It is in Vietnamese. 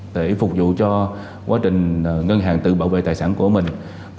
để phục vụ cho quá trình ngân hàng tự bảo vệ tài sản của mình